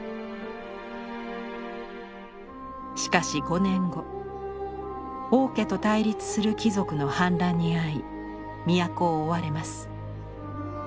しかし５年後王家と対立する貴族の反乱に遭い都を追われます。